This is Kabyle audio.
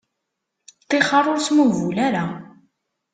Ṭixer ur smuhbul ara.